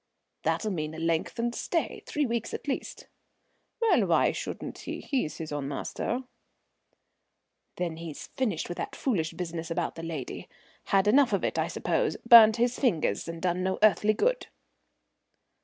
"That'll mean a lengthened stay; three weeks at least." "Well, why shouldn't he? He's his own master." "Then he's finished with that foolish business about the lady; had enough of it, I suppose; burnt his fingers and done no earthly good."